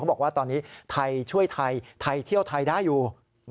บอกว่าตอนนี้ไทยช่วยไทยไทยเที่ยวไทยได้อยู่